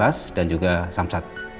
lantas dan juga samsat